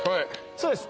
そうです。